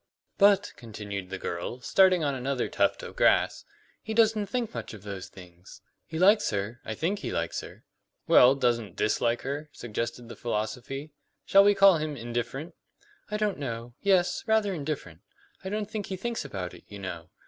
"But," continued the girl, starting on another tuft of grass, "he doesn't think much about those things. He likes her. I think he likes her " "Well, doesn't dislike her?" suggested the philosopher. "Shall we call him indifferent?" "I don't know. Yes, rather indifferent. I don't think he thinks about it, you know.